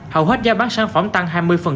hầu hết gia bán sản phẩm tăng hai mươi